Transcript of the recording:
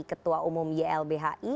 ketua umum ylbhi